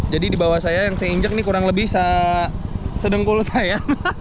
jadi di bawah saya yang saya injek ini kurang lebih sedengkul saya